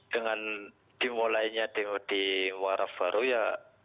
dengan dimulainya di muara baru ya